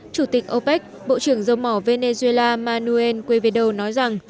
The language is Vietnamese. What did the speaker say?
chủ tịch opec bộ trưởng dầu mỏ venezuela manuel cuevedo nói rằng